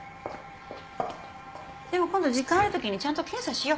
でも今度時間あるときにちゃんと検査しよ。